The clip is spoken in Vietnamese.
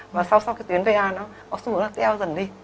và sau cái tiền va nó xong rồi nó teo dần đi